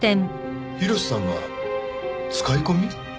寛さんが使い込み？